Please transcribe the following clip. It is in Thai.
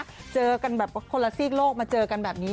ก็เจอกันแบบคนละซีกโลกมาเจอกันแบบนี้